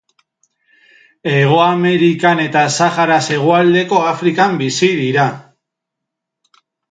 Hego Amerikan eta Saharaz hegoaldeko Afrikan bizi dira.